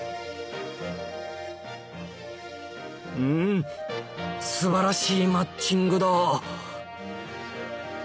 ウンすばらしいマッチングだ！